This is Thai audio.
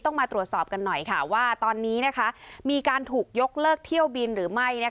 มาตรวจสอบกันหน่อยว่าตอนนี้มีการถูกยกเลิกเที่ยวบินหรือไม่